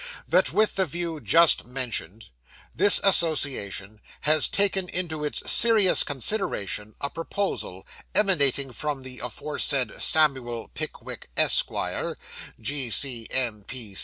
'That, with the view just mentioned, this Association has taken into its serious consideration a proposal, emanating from the aforesaid, Samuel Pickwick, Esq., G.C.M.